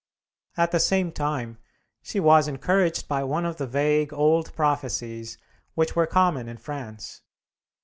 At the same time she was encouraged by one of the vague old prophecies which were common in France.